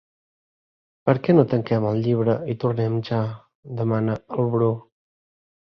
Per què no tanquem el llibre i tornem ja? —demana el Bru.